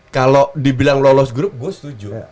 kalau dibilang lolos grup gue setuju